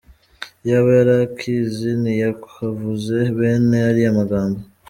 Iyaba yari akizi ntiyakavuze bene ariya magambo.